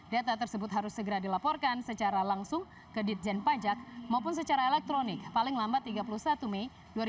data tersebut harus segera dilaporkan secara langsung ke ditjen pajak maupun secara elektronik paling lambat tiga puluh satu mei dua ribu dua puluh